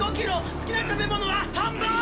好きな食べ物はハンバー！